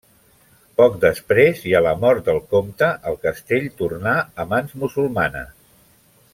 Poc després i a la mort del comte el castell tornà a mans musulmanes.